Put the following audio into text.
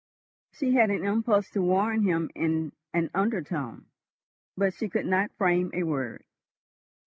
She had an impulse to warn him in an undertone, but she could not frame a word.